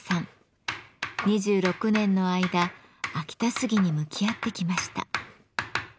２６年の間秋田杉に向き合ってきました。